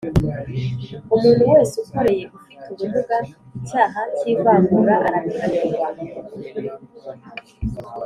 Umuntu wese ukoreye ufite ubumuga icyaha cy’ ivangura arabihanirwa